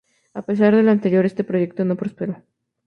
A pesar de lo anterior este proyecto no prosperó.